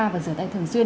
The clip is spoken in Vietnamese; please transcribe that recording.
và rửa tay thường xuyên